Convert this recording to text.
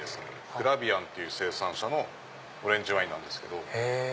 クラビアンっていう生産者のオレンジワインなんですけど。